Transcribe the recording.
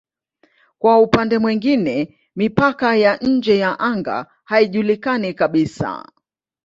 Kwa upande mwingine mipaka ya nje ya anga haijulikani kabisa.